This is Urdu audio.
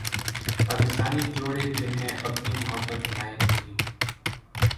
پاکستانی جوڑے جنھیں اپنی محبت لائن ملی